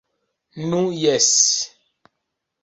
Nu jes.